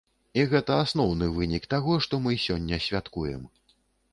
І гэта асноўны вынік таго, што мы сёння святкуем.